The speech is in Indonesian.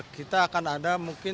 kita akan ada mungkin